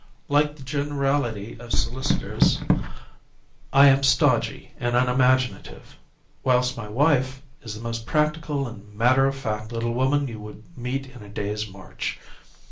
Like the generality of solicitors, I am stodgy and unimaginative, whilst my wife is the most practical and matter of fact little woman you would meet in a day's march.